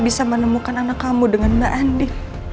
bisa menemukan anak kamu dengan mbak andi